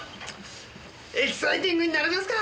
エキサイティングになりますか！